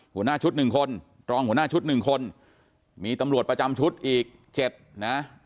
หัวหน้าชุด๑คนรองหัวหน้าชุด๑คนมีตำรวจประจำชุดอีก๗นะ